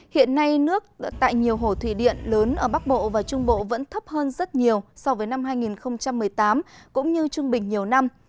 hiện nay nước tại nhiều hồ thủy điện lớn ở bắc bộ và trung bộ vẫn thấp hơn rất nhiều so với năm hai nghìn một mươi tám cũng như trung bình nhiều năm